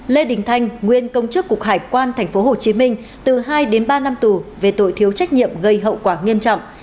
lê đình thanh nguyên công chức cục hải quan tp hcm từ hai đến ba năm tù về tội thiếu trách nhiệm gây hậu quả nghiêm trọng